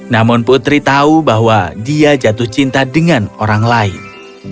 namun putri tahu bahwa dia jatuh cinta dengan orang lain